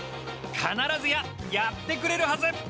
必ずや、やってくれるはず。